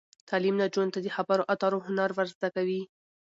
تعلیم نجونو ته د خبرو اترو هنر ور زده کوي.